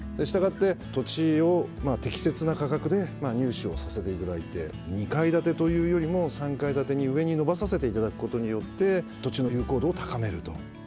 従って土地を適切な価格で入手をさせていただいて２階建てというよりも３階建てに上に伸ばさせていただくことによって土地の有効度を高めると。